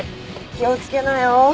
気を付けなよ。